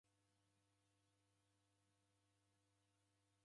W'ambao w'echamselia.